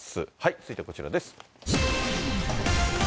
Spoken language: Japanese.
続いてはこちらです。